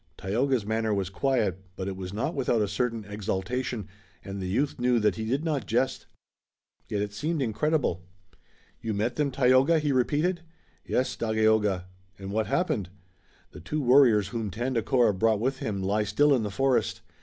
Tayoga's manner was quiet, but it was not without a certain exultation, and the youth knew that he did not jest. Yet it seemed incredible. "You met them, Tayoga?" he repeated. "Yes, Dagaeoga." "And what happened?" "The two warriors whom Tandakora brought with him lie still in the forest.